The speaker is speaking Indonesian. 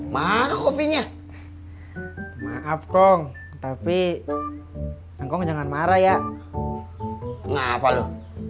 mana kopinya maaf kong tapi engkong jangan marah ya ngapa loh